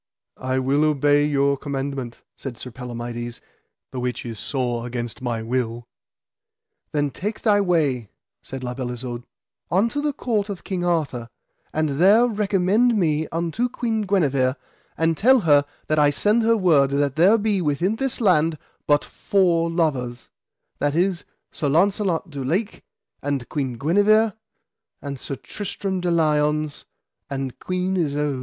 I will obey your commandment, said Sir Palamides, the which is sore against my will. Then take thy way, said La Beale Isoud, unto the court of King Arthur, and there recommend me unto Queen Guenever, and tell her that I send her word that there be within this land but four lovers, that is, Sir Launcelot du Lake and Queen Guenever, and Sir Tristram de Liones and Queen Isoud.